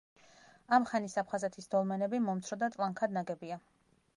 ამ ხანის აფხაზეთის დოლმენები მომცრო და ტლანქად ნაგებია.